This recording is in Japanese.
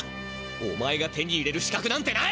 おまえが手に入れるしかくなんてない！